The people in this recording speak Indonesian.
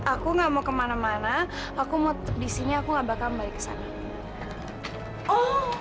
aku gak mau ke mana mana aku mau disini aku gak bakal ke sana